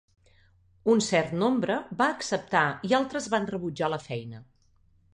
Un cert nombre va acceptar i altres van rebutjar la feina.